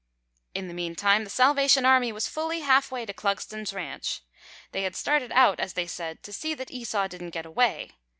In the meantime the Salvation Army was fully half way to Clugston's ranch. They had started out, as they said, "to see that Esau didn't get away."